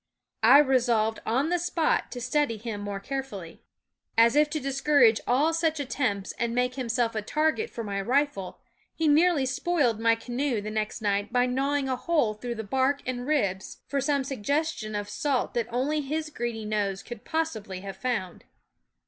I resolved on the spot to study him more carefully. As if to discourage all such attempts and make him self a target for my rifle, he nearly spoiled my canoe the next night by gnawing a hole through the bark and ribs for some THE WOODS H suggestion of salt that only his greedy nose could possibly have found.